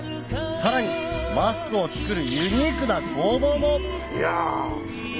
さらにマスクを作るユニークな工房もやぁ。